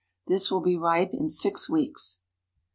This will be ripe in six weeks.